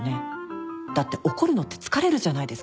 だって怒るのって疲れるじゃないですか。